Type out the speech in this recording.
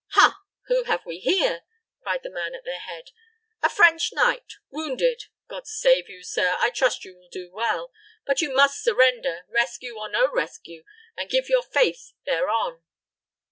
"Ha! who have we here?" cried the man at their head. "A French knight, wounded! God save you, sir. I trust you will do well; but you must surrender, rescue or no rescue, and give your faith thereon."